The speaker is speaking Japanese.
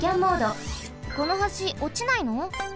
この橋おちないの？